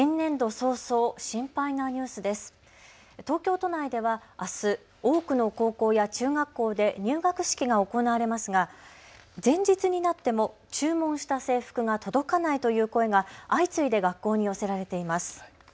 東京都内ではあす多くの高校や中学校で入学式が行われますが前日になっても、注文した制服が届かないという声が相次いで学校に寄せられています。